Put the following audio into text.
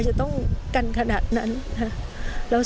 สวัสดีครับ